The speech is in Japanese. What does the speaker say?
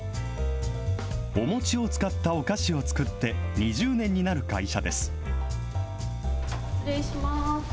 お餅を使ったお菓子を作って、２０年になる会社です。